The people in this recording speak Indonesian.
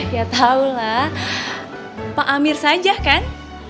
ya tau lah pak amir saja kan